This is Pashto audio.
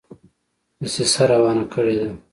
دسیسه روانه کړي ده.